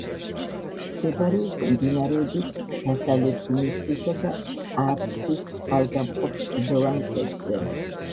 მდებარეობს მდინარეების დასავლეთ გუმისთისა და ააფსთის წყალგამყოფ კლდოვან ქედზე.